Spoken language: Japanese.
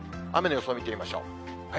雨の予想を見てみましょう。